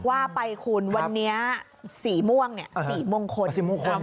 ว่าไปคุณวันนี้สีม่วงสีมงคล